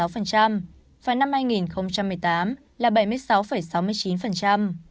phải năm hai nghìn một mươi tám là bảy mươi sáu sáu mươi chín